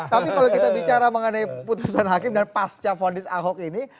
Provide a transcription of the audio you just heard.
tapi kalau kita bicara mengenai putusan hakim dan pasca fonis ahok ini